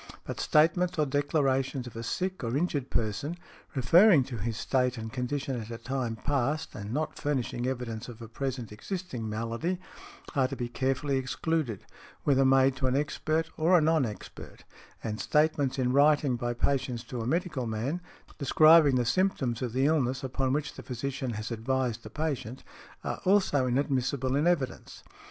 But statements or declarations of a sick or injured person, referring to his state and condition at a time past, and not furnishing evidence of a present existing malady, are to be carefully excluded, whether made to an expert or a non expert , and statements in writing by patients to a medical man, describing the symptoms of the illness upon which the physician has advised the patient, are also inadmissible in evidence .